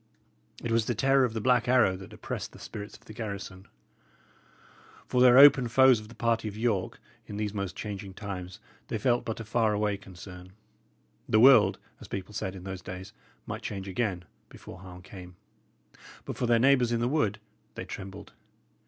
It was the terror of the Black Arrow that oppressed the spirits of the garrison. For their open foes of the party of York, in these most changing times, they felt but a far away concern. "The world," as people said in those days, "might change again" before harm came. But for their neighbours in the wood, they trembled.